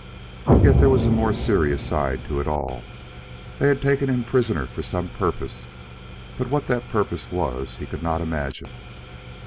Yet there was a more serious side to it all. They had taken him prisoner for some purpose, but what that purpose was he could not imagine.